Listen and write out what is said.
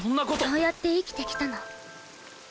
そうやって生きてきたの。